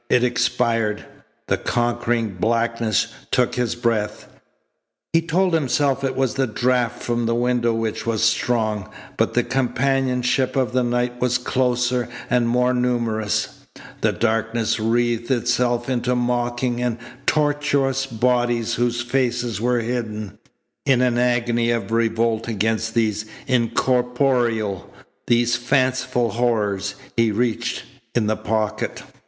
It expired. The conquering blackness took his breath. He told himself it was the draft from the window which was strong, but the companionship of the night was closer and more numerous. The darkness wreathed itself into mocking and tortuous bodies whose faces were hidden. In an agony of revolt against these incorporeal, these fanciful horrors, he reached in the pocket.